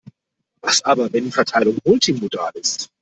Was aber, wenn die Verteilung multimodal ist?